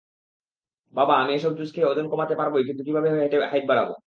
বাবা, আমি এইসব জুস খেয়ে ওজন কমাতে পারবই কিন্তু কীভাবে হাইট বাড়াবো?